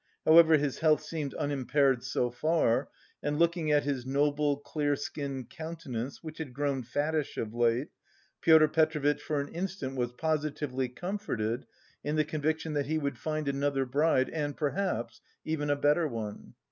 However his health seemed unimpaired so far, and looking at his noble, clear skinned countenance which had grown fattish of late, Pyotr Petrovitch for an instant was positively comforted in the conviction that he would find another bride and, perhaps, even a better one.